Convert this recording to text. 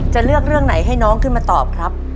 จะเลือกเรื่องไหนให้น้องขึ้นมาตอบครับ